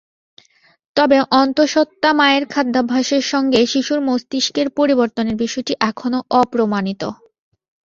তবে অন্তঃসত্ত্বা মায়ের খাদ্যাভ্যাসের সঙ্গে শিশুর মস্তিষ্কের পরিবর্তনের বিষয়টি এখনো অপ্রমাণিত।